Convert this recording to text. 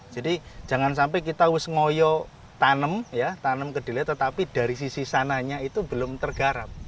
jadi jangan sampai kita wisngoyo tanem kedelai tetapi dari sisi sananya itu belum tergarap